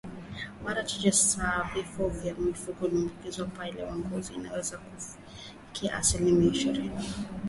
Mara chache sana vifo vya mifugo iliyoambukizwa mapele ya ngozi inaweza kufikia asilimia ishirini